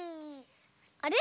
あれ？